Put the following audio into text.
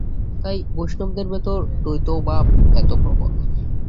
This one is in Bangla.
তাই বৈষ্ণবদের ভেতর দ্বৈতভাব এত প্রবল।